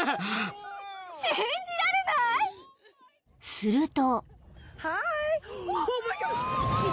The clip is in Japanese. ［すると］